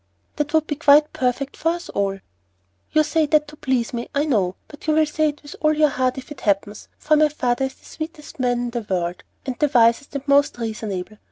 "That would be quite perfect for us all." "You say that to please me, I know, but you will say it with all your heart if ever it happens, for my father is the sweetest man in the world, and the wisest and most reasonable.